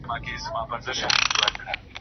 د مفرور ناول مرکزي کرکټر عمری ډاکو نومېږي.